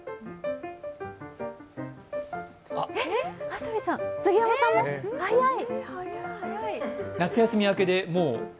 安住さん、杉山さんも、速い。